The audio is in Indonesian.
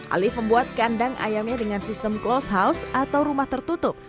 alif membuat kandang ayamnya dengan sistem close house atau rumah tertutup